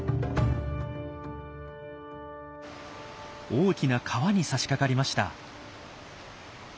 大きな川にさしかかりました。